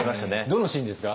どのシーンですか？